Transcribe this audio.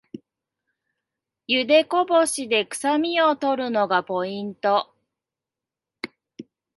ゆでこぼしでくさみを取るのがポイント